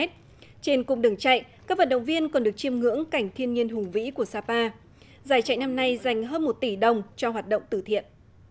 trên cùng đường chạy các vận động viên còn được chiêm ngưỡng cảnh thiên nhiên hùng vĩ của sapa giải chạy năm nay dành hơn một tỷ đồng cho hoạt động tử thiện